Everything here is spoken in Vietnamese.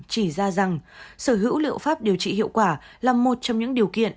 chỉ ra rằng sở hữu liệu pháp điều trị hiệu quả là một trong những điều kiện